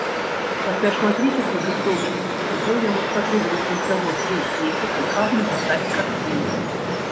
Пасля шматлікіх падрыхтоўчых эскізаў яму спатрэбілася ўсяго тры месяцы, каб напісаць карціну.